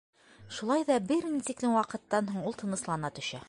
Шулай ҙа бер ни тиклем ваҡыттан һуң ул тыныслана төшә.